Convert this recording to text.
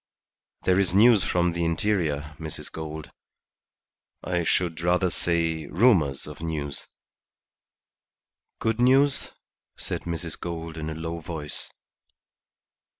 There is news from the interior, Mrs. Gould. I should rather say rumours of news." "Good news?" said Mrs. Gould in a low voice.